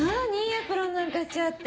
エプロンなんかしちゃって。